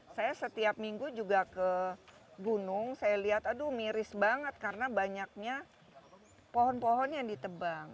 saya setiap minggu juga ke gunung saya lihat aduh miris banget karena banyaknya pohon pohon yang ditebang